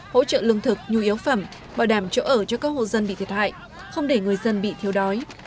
hỗ trợ lương thực nhu yếu phẩm bảo đảm chỗ ở cho các hộ dân bị thiệt hại không để người dân bị thiếu đói